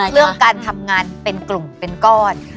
เรื่องการทำงานเป็นกลุ่มเป็นก้อน